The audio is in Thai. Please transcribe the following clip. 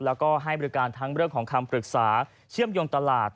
แล้วก็ให้บริการทั้งเรื่องของคำปรึกษาเชื่อมโยงตลาด